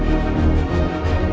satu kecil buatnya juga takut